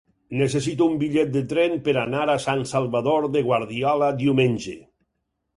Necessito un bitllet de tren per anar a Sant Salvador de Guardiola diumenge.